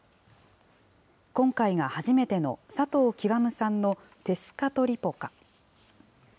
今回が初めての佐藤究さんのテスカトリポカ。